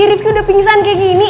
irifku udah pingsan kayak gini